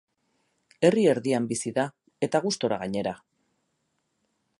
Herri erdian bizi da, eta gustura gainera.